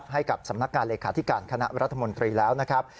ให้กับสำนักงานเลขาธิการคณะรัฐมนตรีแล้วนะครับ